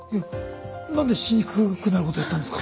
何でしにくくなることやったんですか？